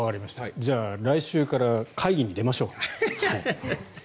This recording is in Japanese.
じゃあ、来週から会議に出ましょう。